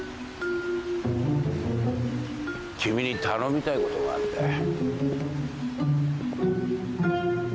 君に頼みたいことがあるんだよ。